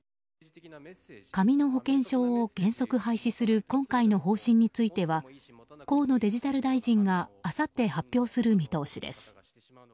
紙の保険証を原則廃止する今回の方針については河野デジタル大臣があさって発表する見通しです。